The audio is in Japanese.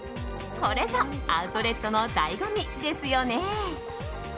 これぞアウトレットの醍醐味ですよね。